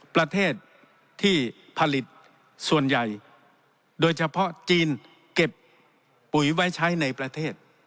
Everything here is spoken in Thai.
ประเทศที่ผลิตส่วนใหญ่โดยเฉพาะจีนเก็บปุ๋ยไว้ใช้ในประเทศ